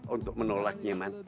untuk menolaknya man